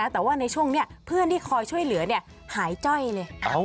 แต่ว่าในช่วงนี้เพื่อนที่คอยช่วยเหลือหายจ้อยเลย